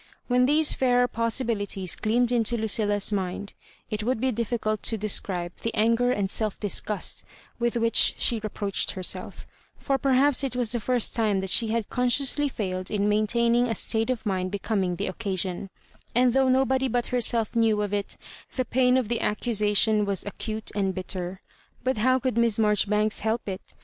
When these fairer possibilities gleamed mto Lucilla's mind, it would be difficult to de scribe the anger and self disgust with which she reproached herself— for perhaps it was the first time that she had consciously failed in maintain ing a state of mind becoming the occasion ; and though nobody but herself knew of it, the pain of the accusation was acute and bitter. But how could Miss Marjoribanks help it?